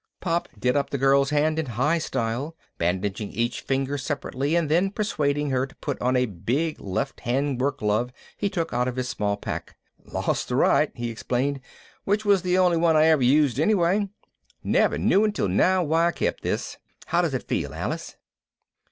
Pop did up the girl's hand in high style, bandaging each finger separately and then persuading her to put on a big left hand work glove he took out of his small pack. "Lost the right," he explained, "which was the only one I ever used anyway. Never knew until now why I kept this. How does it feel, Alice?"